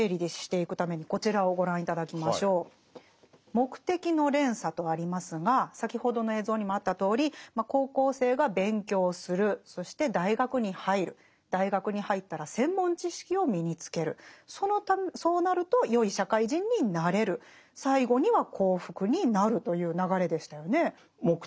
「目的の連鎖」とありますが先ほどの映像にもあったとおり高校生が勉強するそして大学に入る大学に入ったら専門知識を身につけるそうなるとよい社会人になれる最後には幸福になるという流れでしたよね。